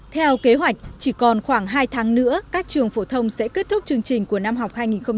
theo kế hoạch chỉ còn khoảng hai tháng nữa các trường phổ thông sẽ kết thúc chương trình của năm học hai nghìn một mươi năm hai nghìn một mươi sáu